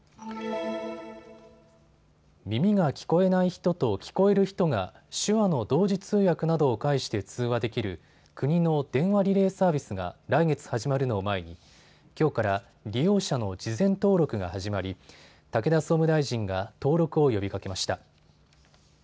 耳が聞こえない人と聞こえる人が手話の同時通訳などを介して通話できる国の電話リレーサービスが来月、始まるのを前にきょうから利用者の事前登録が始まり、武田総務大臣が登録を呼びかけました。